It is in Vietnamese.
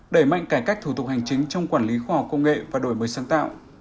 đẩy mạnh cải cách thủ tục hành chính trong quản lý khoa học công nghệ và đổi mới sáng tạo